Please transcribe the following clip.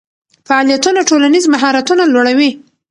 فعالیتونه ټولنیز مهارتونه لوړوي.